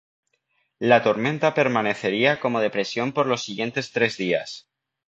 La tormenta permanecería como depresión por los siguientes tres días.